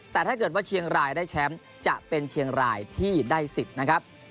แต่ถ้าเกิดว่าเชียงรายได้แชมป์จะเป็นเชียงรายที่ได้สิทธิ์นะครับ